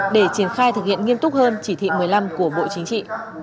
để triển khai thực hiện nghiêm túc hơn chỉ thị một mươi năm của bộ chính trị